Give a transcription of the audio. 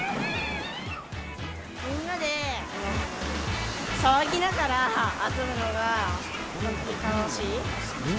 みんなで騒ぎながら遊ぶのが楽しい。